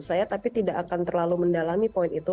saya tapi tidak akan terlalu mendalami poin itu